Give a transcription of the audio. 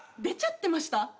出ちゃってました？